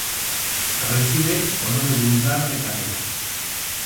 Recibe o nome vulgar de canela.